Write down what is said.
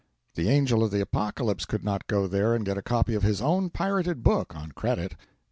The Angel of the Apocalypse could not go there and get a copy of his own pirated book on credit.